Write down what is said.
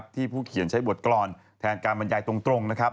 ที่ผู้เขียนใช้บทกรอนแทนการบรรยายตรง